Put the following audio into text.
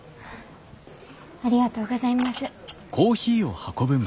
ありがとうございます。